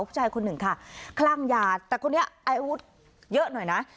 ผู้ชายคนหนึ่งค่ะคลั่งยาแต่คนนี้อายุเยอะหน่อยนะ